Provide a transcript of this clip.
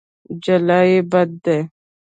جلايي بد دی.